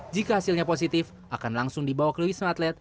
jika hasilnya positif akan langsung dibawa ke lewis nathlete